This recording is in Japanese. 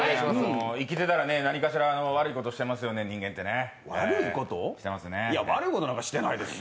生きてたら何かしら悪いことしてますよね、人間ってね。